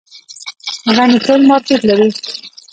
غني خیل مارکیټ لري؟